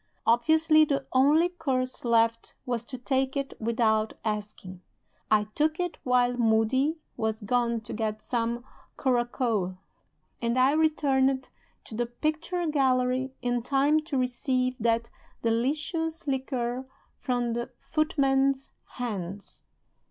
Obviously, the only course left was to take it without asking. I took it while Moody was gone to get some curacoa; and I returned to the picture gallery in time to receive that delicious liqueur from the footman's hands.